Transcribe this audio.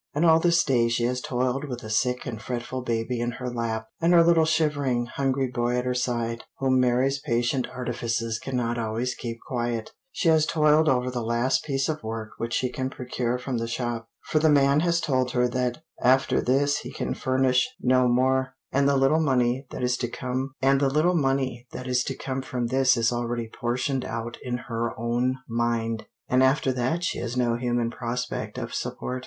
And all this day she has toiled with a sick and fretful baby in her lap, and her little shivering, hungry boy at her side, whom Mary's patient artifices cannot always keep quiet; she has toiled over the last piece of work which she can procure from the shop, for the man has told her that after this he can furnish no more; and the little money that is to come from this is already portioned out in her own mind, and after that she has no human prospect of support.